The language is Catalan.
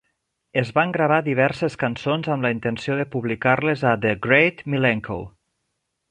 Es van gravar diverses cançons amb la intenció de publicar-les a "The Great Milenko".